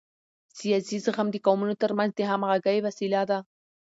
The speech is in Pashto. سیاسي زغم د قومونو ترمنځ د همغږۍ وسیله ده